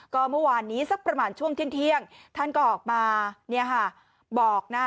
ก็เมื่อวานนี้สักประมาณช่วงเที่ยงท่านก็ออกมาเนี่ยค่ะบอกนะ